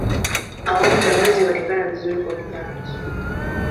Awamu za mwezi huonekana vizuri kwa kila mtu.